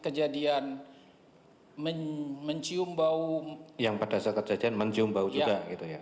kejadian mencium bau yang pada saat kejadian mencium bau juga